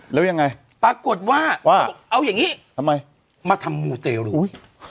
แล้วยังไงปรากฏว่าเขาบอกเอายังงี้มาทำมูเตลู